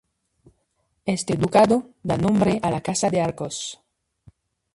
Este ducado da nombre a la Casa de Arcos.